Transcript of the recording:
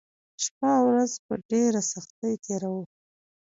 شپه او ورځ په ډېره سختۍ تېروو